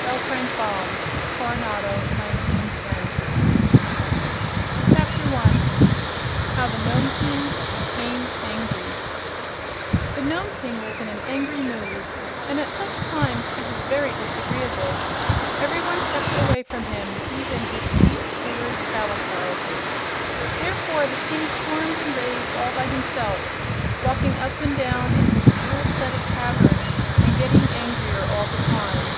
L. FRANK BAUM. Coronado, 1910 1. How the Nome King Became Angry The Nome King was in an angry mood, and at such times he was very disagreeable. Every one kept away from him, even his Chief Steward Kaliko. Therefore the King stormed and raved all by himself, walking up and down in his jewel studded cavern and getting angrier all the time.